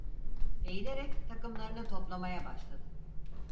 Eğilerek takımlarını toplamaya başladı.